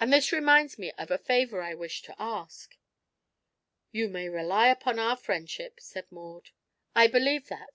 And this reminds me of a favor I wish to ask." "You may rely upon our friendship," said Maud. "I believe that.